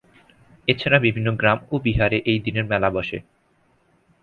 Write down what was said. এছাড়া বিভিন্ন গ্রাম ও বিহারে এই দিনে মেলা বসে।